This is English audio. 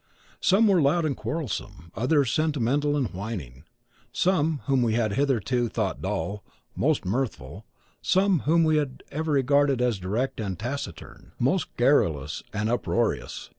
Some were loud and quarrelsome, others sentimental and whining; some, whom we had hitherto thought dull, most mirthful; some, whom we had ever regarded as discreet and taciturn, most garrulous and uproarious.